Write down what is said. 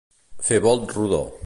Fer volt rodó.